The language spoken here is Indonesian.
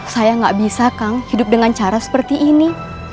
saya nggak bisa kang hidup dengan cara seperti ini